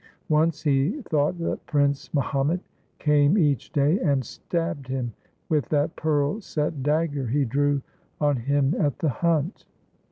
Once he thought that Prince Mahomet came each day and stabbed him with that pearl set dagger he drew on him at the hunt.